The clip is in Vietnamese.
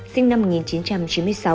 sinh năm một nghìn chín trăm chín mươi sáu